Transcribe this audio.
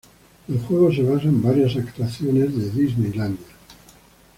El juego se basa en varias atracciones de Disneyland.